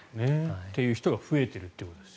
ということが増えていると。